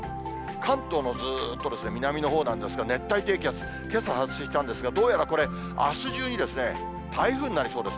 関東のずっと南のほうなんですが、熱帯低気圧、けさ発生したんですが、どうやらこれ、あす中に台風になりそうです。